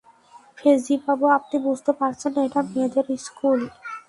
ফেজি বাবু আপনি বুঝতে পারছে না, এটা মেয়েদের স্কুল।